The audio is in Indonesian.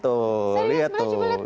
tuh lihat tuh